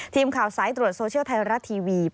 ทีมข่าวสายตรวจโซเชียลไทยรัฐทีวี